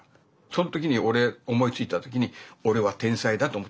その時に俺思いついた時に「俺は天才だ」と思ったからね。